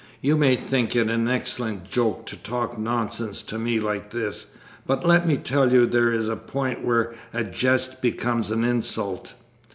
"You may think it an excellent joke to talk nonsense to me like this. But let me tell you there is a point where a jest becomes an insult.